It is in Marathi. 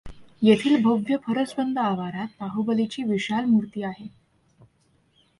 येथील भव्य फरसबंद आवारात बाहुबलीची विशाल मूर्ती आहे.